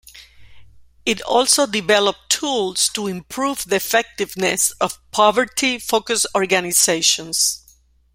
It also develop tools to improve the effectiveness of poverty-focused organizations.